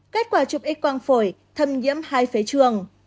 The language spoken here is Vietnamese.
kết quả chụp x quang phổi thâm nhiễm hai phế trường